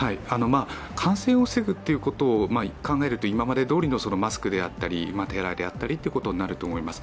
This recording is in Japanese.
感染を防ぐということを考えると今までのどおりのマスクであったり手洗いであったりということになると思います。